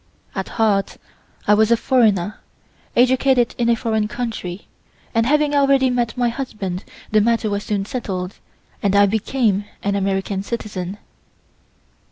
At heart I was a foreigner, educated in a foreign country, and, having already met my husband the matter was soon settled and I became an American citizen.